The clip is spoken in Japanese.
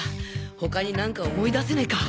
他に何か思い出せねぇか？